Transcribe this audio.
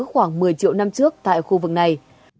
khoảng một mươi triệu năm trước tại khu vực này